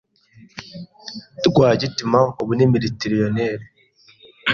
Rwagitima ubu ni multimillionaire.